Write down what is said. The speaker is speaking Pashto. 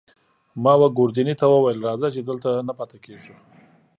ما وه ګوردیني ته وویل: راځه، چې دلته نه پاتې کېږو.